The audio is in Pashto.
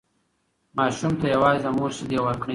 ماشوم ته یوازې د مور شیدې ورکړئ.